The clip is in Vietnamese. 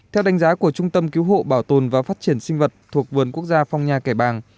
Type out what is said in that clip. theo đánh giá của trung tâm cứu hộ bảo tồn và phát triển sinh vật thuộc vườn quốc gia phong nha kẻ bàng